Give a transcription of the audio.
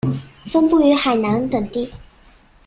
分布于海南等地。